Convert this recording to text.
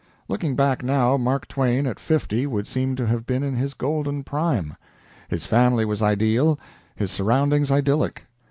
Looking back now, Mark Twain at fifty would seem to have been in his golden prime. His family was ideal his surroundings idyllic.